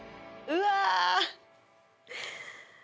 うわ